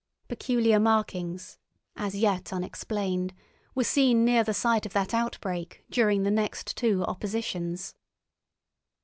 Peculiar markings, as yet unexplained, were seen near the site of that outbreak during the next two oppositions.